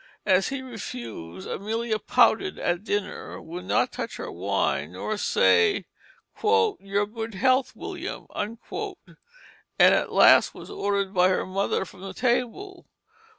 As he refused Amelia pouted at dinner, would not touch her wine nor say "Your good health, William," and at last was ordered by her mother from the table.